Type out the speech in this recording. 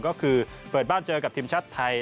ก็คือเปิดบ้านเจอกับทีมชาติไทย